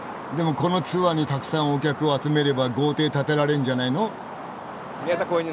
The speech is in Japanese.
このツアーにたくさんお客を集めれば豪邸建てられんじゃないの？